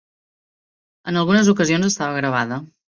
En algunes ocasions estava gravada.